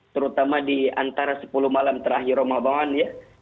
terutama di antara sepuluh malam terakhir ramadan ya